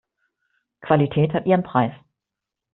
Qualität hat ihren Preis.